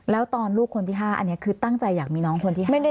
แล้วตอนลูกคนที่ห้าอันนี้คือตั้งใจอยากมีน้องคนที่ห้าอย่างไง